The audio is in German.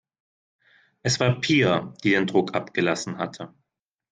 Es war Pia, die den Druck abgelassen hatte.